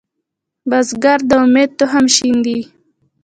بزګر د امید تخم شیندي